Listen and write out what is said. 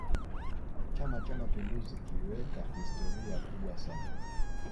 chama cha mapinduzi kiliweka historia kubwa sana